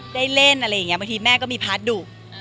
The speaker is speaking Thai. ได้เล่นอะไรอย่างนี้บางทีแม่ก็มีพาร์ทดุ